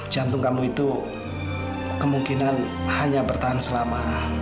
jantung kamu itu kemungkinan hanya bertahan selama